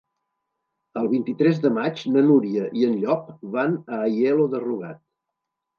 El vint-i-tres de maig na Núria i en Llop van a Aielo de Rugat.